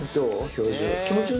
表情。